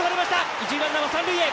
一塁ランナー、三塁へ！